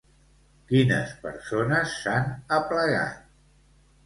Quines persones s'han aplegat?